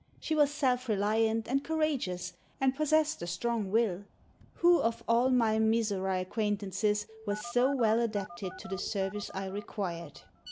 She was self reliant and courageous, and possessed a strong will. Who, of all my Mizora acquaintances, was so well adapted to the service I required.